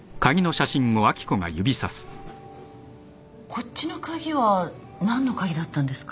こっちの鍵は何の鍵だったんですか？